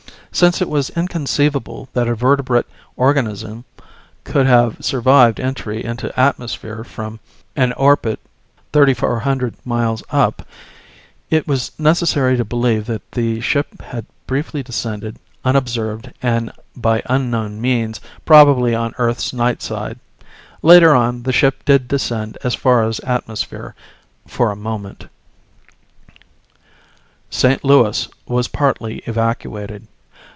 Since it was inconceivable that a vertebrate organism could have survived entry into atmosphere from an orbit 3400 miles up, it was necessary to believe that the ship had briefly descended, unobserved and by unknown means, probably on Earth's night side. Later on the ship did descend as far as atmosphere, for a moment ... St. Louis was partly evacuated.